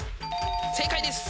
正解です。